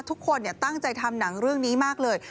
ทุกคนตั้งใจทำหนังเรื่องนี้มากเลย